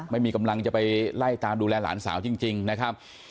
ไม่มีกำลังจะไปไล่ตามดูแลหลานสาวจริงนะครับ